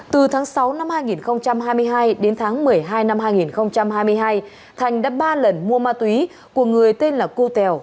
từ tháng sáu năm hai nghìn hai mươi hai đến tháng một mươi hai năm hai nghìn hai mươi hai thành đã ba lần mua ma túy của người tên là cô tèo